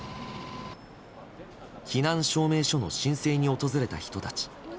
避難証明書の申請に訪れた人たち。